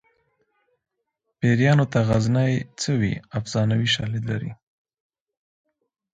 پیریانو ته غزني څه وي افسانوي شالید لري